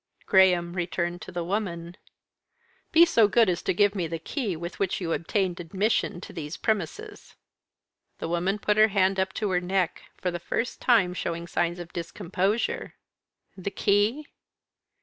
Graham returned to the woman. "Be so good as to give me the key with which you obtained admission to these premises." The woman put her hand up to her neck, for the first time showing signs of discomposure. "The key?"